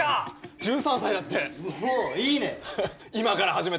１３歳だって！いいね！